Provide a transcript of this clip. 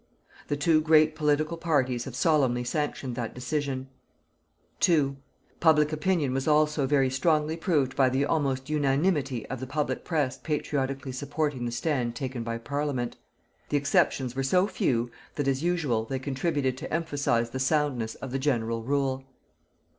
The two great political parties have solemnly sanctioned that decision. 2. Public opinion was also very strongly proved by the almost unanimity of the public press patriotically supporting the stand taken by Parliament. The exceptions were so few, that, as usual, they contributed to emphasize the soundness of the general rule.